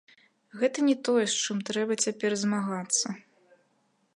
Гэта не тое, з чым трэба цяпер змагацца.